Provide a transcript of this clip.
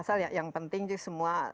asal yang penting semua